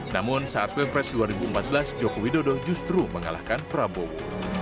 namun saat pilpres dua ribu empat belas joko widodo justru mengalahkan prabowo